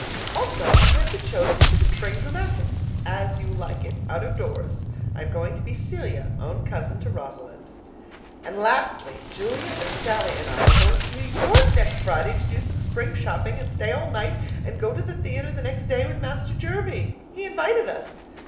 Also I have been chosen for the spring dramatics As You Like It out of doors. I am going to be Celia, own cousin to Rosalind. And lastly: Julia and Sallie and I are going to New York next Friday to do some spring shopping and stay all night and go to the theatre the next day with 'Master Jervie.' He invited us.